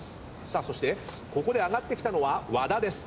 さあそしてここで上がってきたのは和田です。